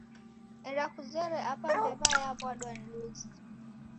Ghenda kuzere Apa mbew'a yawa'dwa ni luzi